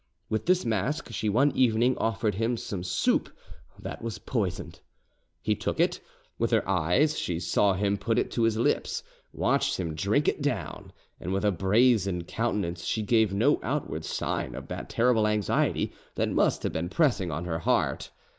With this mask she one evening offered him some soup that was poisoned. He took it; with her eyes she saw him put it to his lips, watched him drink it down, and with a brazen countenance she gave no outward sign of that terrible anxiety that must have been pressing on her heart.